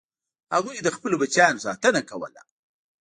هغوی د خپلو بچیانو ساتنه کوله.